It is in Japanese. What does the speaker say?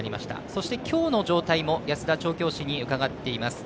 そして、きょうの様子も安田調教師に伺っています。